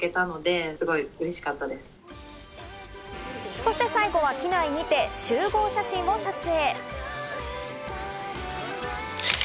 そして最後は機内にて集合写真を撮影。